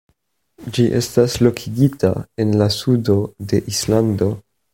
Ĝi estas lokigita en la sudo de Islando.